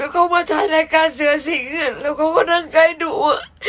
เขามาทะละกานเสือสิงค์แล้วเขาก็ตั้งใกล้หนู